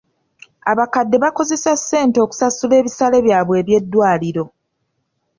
Abakadde bakozesa ssente okusasula ebisale byabwe eby'eddwaliro.